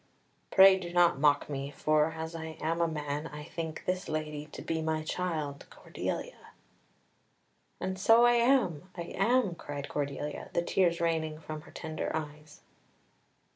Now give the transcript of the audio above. Pray do not mock me, for, as I am a man, I think this lady to be my child Cordelia." "And so I am, I am," cried Cordelia, the tears raining from her tender eyes.